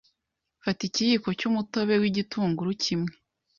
fata ikiyiko cy’umutobe w’igitunguru kimwe